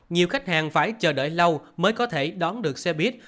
nhiều khách hàng phải chờ đợi lâu mới có thể đón được xe buýt